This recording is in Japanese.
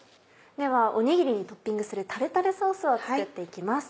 ではおにぎりにトッピングするタルタルソースを作って行きます。